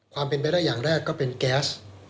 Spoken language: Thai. ความเป็นไปได้อย่างแรกก็เป็นแก๊ส